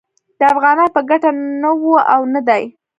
د افغانانو په ګټه نه و او نه دی